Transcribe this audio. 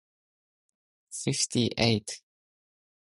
The nearest London Overground station is Shoreditch High Street.